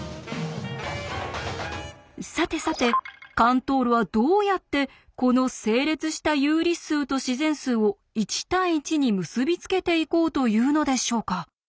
さてさてカントールはどうやってこの整列した有理数と自然数を１対１に結び付けていこうというのでしょうか。